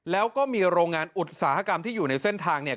แล้วก็มีโรงงานอุตสาหกรรมที่อยู่ในเส้นทางเนี่ย